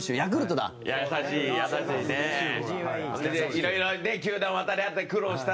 いろいろね球団を渡り歩いて苦労したから。